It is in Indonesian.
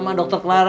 nanti kita ke sana